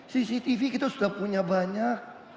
cctv kita sudah punya banyak